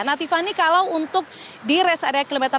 nah tiffany kalau untuk di res area kilometer enam